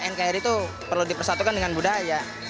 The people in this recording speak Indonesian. nkri itu perlu dipersatukan dengan budaya